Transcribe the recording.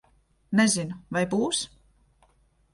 Nezinu. Vai būs?